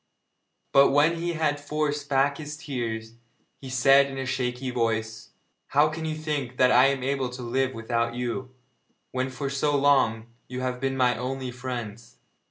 But when he had forced back his tears, he said in a shaky voice: 'How can you think that I am able to live without you, when for so long you have been my only friends?